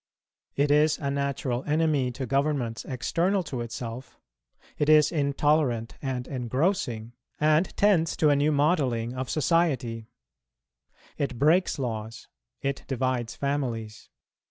It is a natural enemy to governments external to itself; it is intolerant and engrossing, and tends to a new modelling of society; it breaks laws, it divides families.